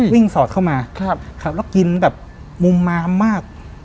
สอดเข้ามาแล้วกินแบบมุมมามมาก